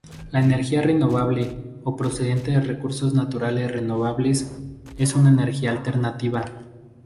La energía renovable, o procedente de recursos naturales renovables, es una energía alternativa.